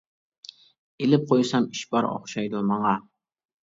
ئېلىپ قويسام ئىش بار ئوخشايدۇ ماڭا.